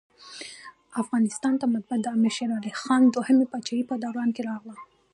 افغانستان ته مطبعه دامیر شېرعلي خان د دوهمي پاچاهۍ په دوران کي راغله.